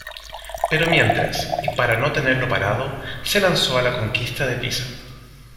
Pero mientras, y para no tenerlo parado, se lanzó a la conquista de Pisa.